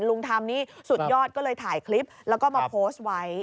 ลุงทำนี่สุดยอดก็เลยถ่ายคลิปแล้วก็มาโพสต์ไว้